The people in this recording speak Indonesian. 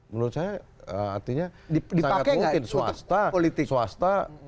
menurut saya artinya sangat mungkin swasta